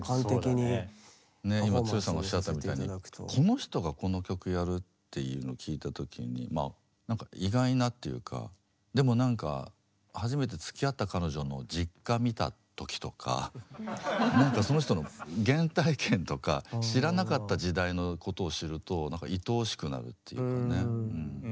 今剛さんがおっしゃったみたいにこの人がこの曲やるっていうのを聞いた時にまあ何か意外なっていうかでも何か初めてつきあった彼女の実家見た時とか何かその人の原体験とか知らなかった時代のことを知ると何かいとおしくなるっていうかねうん。